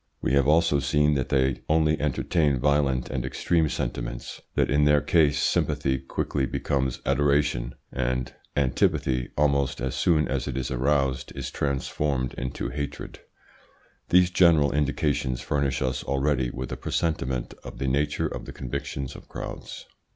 We have also seen that they only entertain violent and extreme sentiments, that in their case sympathy quickly becomes adoration, and antipathy almost as soon as it is aroused is transformed into hatred. These general indications furnish us already with a presentiment of the nature of the convictions of crowds.